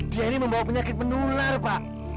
dia ini membawa penyakit menular pak